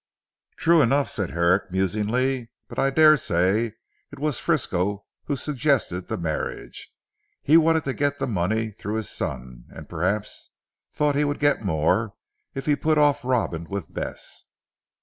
"True enough," said Herrick musingly, "but I daresay it was Frisco who suggested the marriage. He wanted to get the money through his son, and perhaps thought he would get more if he put off Robin with Bess."